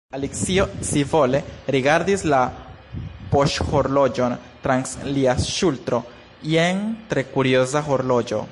Alicio scivole rigardis la poŝhorloĝon trans lia ŝultro. "Jen tre kurioza horloĝo".